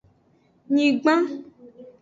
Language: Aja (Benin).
Nyigban.